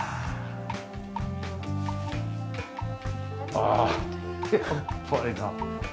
ああやっぱりな。